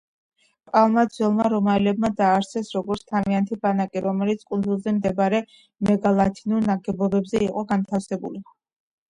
პალმა ძველმა რომაელებმა დააარსეს როგორც თავიანთი ბანაკი, რომელიც კუნძულზე მდებარე მეგალითურ ნაგებობებზე იყო განთავსებული.